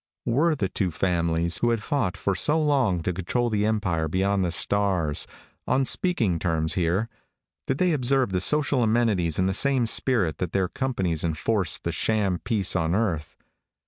Were the two families, who had fought for so long to control the empire beyond the stars, on speaking terms here? Did they observe the social amenities in the same spirit that their companies enforced the sham peace on earth?